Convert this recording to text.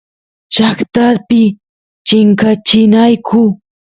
llaqtapi chinkachinakuy